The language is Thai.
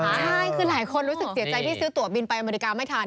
ใช่คือหลายคนรู้สึกเสียใจที่ซื้อตัวบินไปอเมริกาไม่ทัน